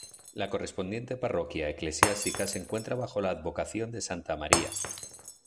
La correspondiente parroquia eclesiástica se encuentra bajo la advocación de santa María.